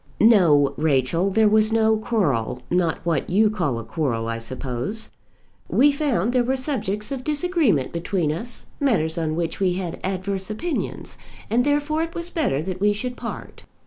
"No, Rachel, there was no quarrel; not what you call a quarrel, I suppose. We found there were subjects of disagreement between us, matters on which we had adverse opinions; and therefore it was better that we should part."